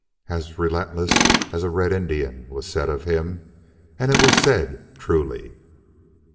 "As relentless as a Red Indian," was said of him, and it was said truly.